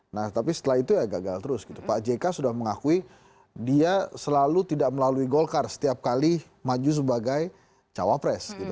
nah tapi setelah itu ya gagal terus gitu pak jk sudah mengakui dia selalu tidak melalui golkar setiap kali maju sebagai cawapres gitu